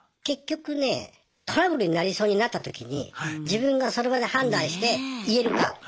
結局ねトラブルになりそうになった時に自分がその場で判断して言えるか。